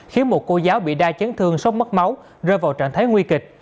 khiến một cô giáo bị đa chấn thương sốc mất máu rơi vào trạng thái nguy kịch